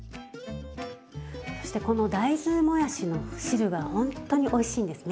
そしてこの大豆もやしの汁がほんとにおいしいんですね。